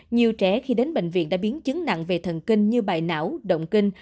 nhiều trẻ khi đến bệnh viện đã biến chứng nặng về thần kinh như bài não động kinh